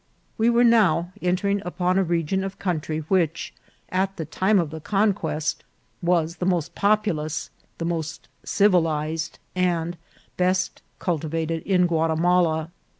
We were now entering upon a region of country which, at the time of the conquest, was the most populous, the most civilized, and best cultivated in Guatimala.